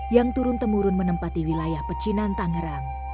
yang turun temurun menempati wilayah pecinan tangerang